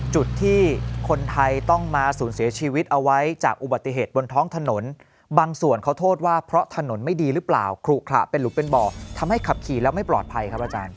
จุดที่คนไทยต้องมาสูญเสียชีวิตเอาไว้จากอุบัติเหตุบนท้องถนนบางส่วนเขาโทษว่าเพราะถนนไม่ดีหรือเปล่าขลุขระเป็นหลุมเป็นบ่อทำให้ขับขี่แล้วไม่ปลอดภัยครับอาจารย์